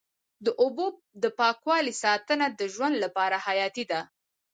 د اوبو د پاکوالي ساتنه د ژوند لپاره حیاتي ده.